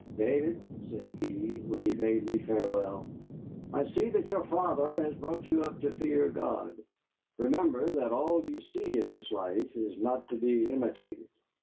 "David," said he, when he bade me farewell, "I see that your father has brought you up to fear God. Remember that all you see in this life is not to be imitated."